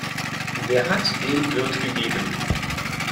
Wer hat, dem wird gegeben.